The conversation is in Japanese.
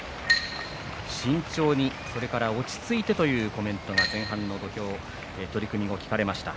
慎重に、それから落ち着いてというコメントが前半の土俵取組で聞かれました。